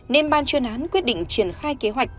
nên ban chuyên án quyết định triển khai kế hoạch